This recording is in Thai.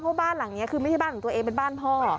เพราะบ้านหลังนี้คือไม่ใช่บ้านของตัวเองเป็นบ้านพ่อ